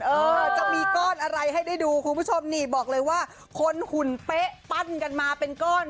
เออจะมีก้อนอะไรให้ได้ดูคุณผู้ชมนี่บอกเลยว่าคนหุ่นเป๊ะปั้นกันมาเป็นก้อน